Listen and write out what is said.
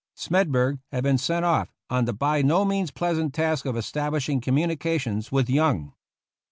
Smedburg had been sent off on the by no means pleasant task of establishing communications with Young.